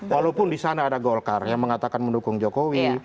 walaupun di sana ada golkar yang mengatakan mendukung jokowi